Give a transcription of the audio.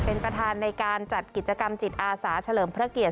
เป็นประธานในการจัดกิจกรรมจิตอาสาเฉลิมพระเกียรติ